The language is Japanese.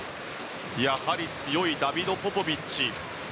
やはり強いダビド・ポポビッチ。